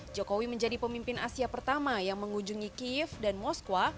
jokowi menjadi pemimpin asia pertama yang mengunjungi kiev dan moskwa